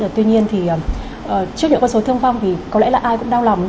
tuy nhiên thì trước những con số thương vong thì có lẽ là ai cũng đau lòng